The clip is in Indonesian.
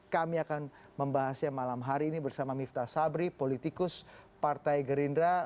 kami akan membahasnya malam hari ini bersama miftah sabri politikus partai gerindra